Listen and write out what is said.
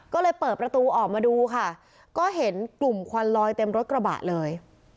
ก็เลยเปิดประตูออกมาดูค่ะก็เห็นกลุ่มควันลอยเต็มรถกระบะเลย